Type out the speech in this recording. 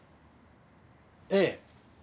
ええ。